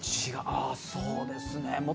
そうですね。